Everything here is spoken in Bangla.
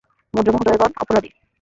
ভদ্রমহোদয়গণ, অপরাধী।